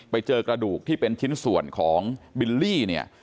ไปเจอกระดูกที่เป็นชิ้นส่วนของบิลลี่เนี่ย